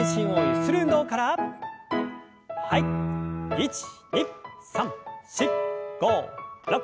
１２３４５６。